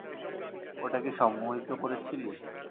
ওটাকে সম্মোহিত করেছিলি?